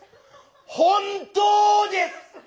本当です！